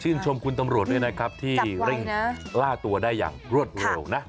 ชมคุณตำรวจด้วยนะครับที่เร่งล่าตัวได้อย่างรวดเร็วนะ